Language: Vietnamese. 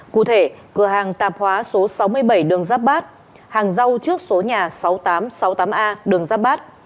cụ thể cửa hàng tạp hóa số sáu mươi bảy đường giáp bát hàng rau trước số nhà sáu nghìn tám trăm sáu mươi tám a đường giáp bát